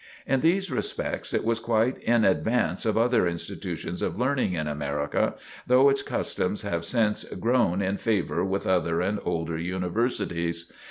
In these respects it was quite in advance of other institutions of learning in America, though its customs have since grown in favor with other and older universities.